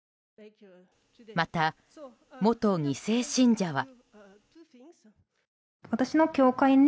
また、元２世信者は。